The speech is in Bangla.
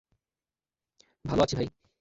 ভালো আছি ভাই।